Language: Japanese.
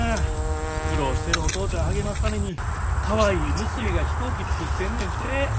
苦労してるお父ちゃん励ますためにかわいい娘が飛行機作ってんねんて。